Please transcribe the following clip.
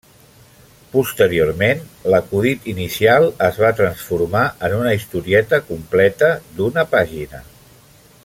Posteriorment, l'acudit inicial es va transformar en una historieta completa d'una pàgina.